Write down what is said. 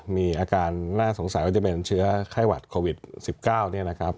มีอาการน่าสงสัยว่าจะเป็นเชื้อไข้หวัดโควิด๑๙เนี่ยนะครับ